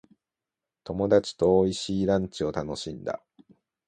友達と美味しいランチを楽しんだ。